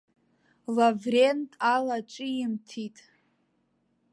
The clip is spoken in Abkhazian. Лаврент алаҿимҭит.